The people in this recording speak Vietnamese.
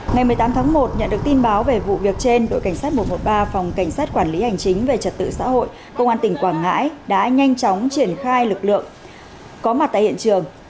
ngày một mươi tám tháng một nhận được tin báo về vụ việc trên đội cảnh sát một trăm một mươi ba phòng cảnh sát quản lý hành chính về trật tự xã hội công an tỉnh quảng ngãi đã nhanh chóng triển khai lực lượng có mặt tại hiện trường